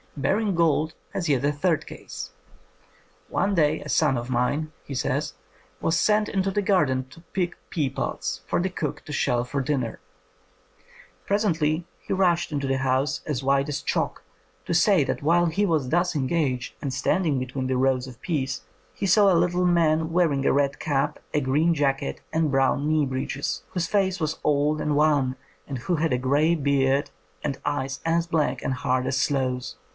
Baring Gould has yet a third case. ''One day a son of mine," he says, "was sent into the garden to pick pea pods for the cook to shell for dinner. Presently he rushed into the house as white as chalk to say that while he was thus engaged, and standing between the rows of peas, he saw a little man w^earing a red cap, a green jacket, and brown knee breeches, whose face was old and wan, and who had a grey beard and eyes as black and hard as sloes.